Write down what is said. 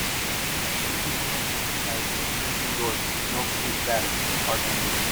American Cancer Society has since endorsed the smoke-free status of Heartland Inn.